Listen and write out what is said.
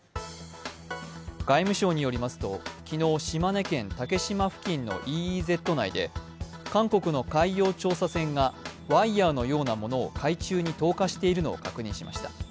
外務省によりますと、昨日島根県・竹島付近のＥＥＺ内で韓国の海洋調査船がワイヤーのようなものを海中に投下しているのを確認しました。